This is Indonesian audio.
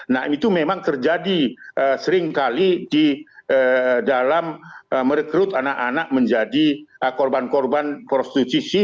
nah itu memang terjadi seringkali di dalam merekrut anak anak menjadi korban korban prostitusi